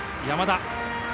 山田。